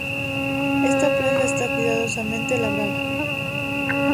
Esta prenda está cuidadosamente labrada.